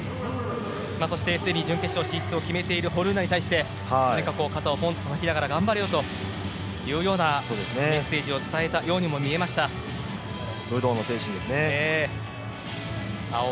そして、すでに準決勝進出を決めているホルーナに対して何か肩をポンッとたたきながら頑張れよというメッセージを武道の精神ですね。